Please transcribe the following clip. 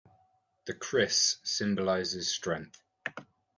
The kris symbolyzes strength.